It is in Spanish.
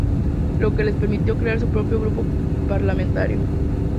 Lo que les permitió crear su propio grupo parlamentario.